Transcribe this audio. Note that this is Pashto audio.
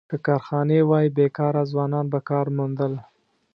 که کارخانې وای، بېکاره ځوانان به کار موندل.